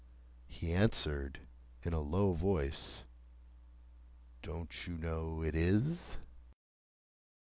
He answered in a low voice,—"Don't you know it is?"